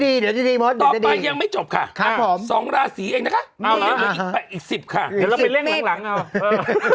เดี๋ยวจะดีมดต่อไปยังไม่จบค่ะสองราศรีเองนะคะอีก๑๐ค่ะเดี๋ยวเราไปเลี่ยงหลังเอ้า